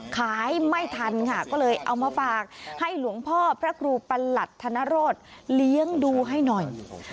ขายไม่ทันค่ะก็เลยเอามาฝากให้หลวงพ่อพระครูประหลัดธนโรธเลี้ยงดูให้หน่อย